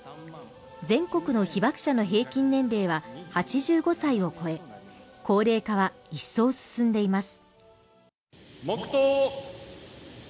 全国の被爆者の平均年齢は８５歳を超え、高齢化は一層進んでいてます。